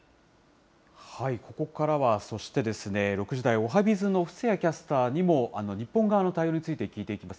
ここからは、そして、６時台、おはＢｉｚの布施谷キャスターにも、日本側の対応について聞いていきます。